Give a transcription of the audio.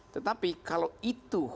tetapi kalau itu